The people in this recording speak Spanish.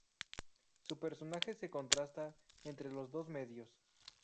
Su personaje se contrasta entre los dos medios.